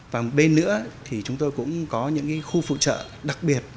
và một bên nữa thì chúng tôi cũng có những khu phụ trợ đặc biệt